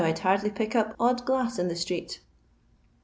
'd hardly pick up odd glass in the street."